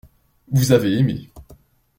Vous avez aimé.